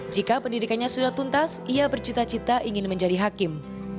jika pendidikannya sudah tuntas ia bercita cita ingin menjadi hakim